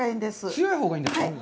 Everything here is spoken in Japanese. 強いほうがいいんですか？